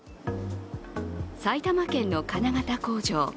埼玉県の金型工場。